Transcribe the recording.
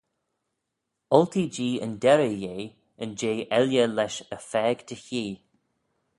Oltee-jee yn derrey yeh yn jeh elley lesh y phaag dy hee.